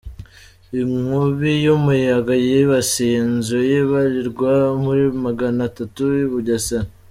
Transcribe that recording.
Inkubi y’umuyaga yibasiye inzu zibarirwa muri Magana atatu ibugesera